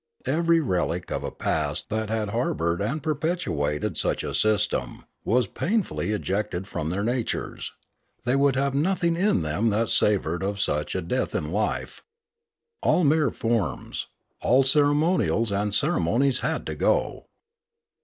Every relic of a past that had harboured and perpetuated such a system was painfully ejected from their natures. They would have nothing in them that savoured of such a death in life. All mere forms, all ceremonials and ceremonies had to go.